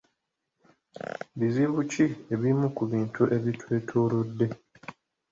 Bizibu ki ebimu ku bintu ebitwetoolodde?